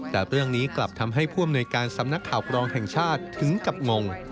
แต่เรื่องนี้กลับทำให้ผู้อำนวยการสำนักข่าวกรองแห่งชาติถึงกับงง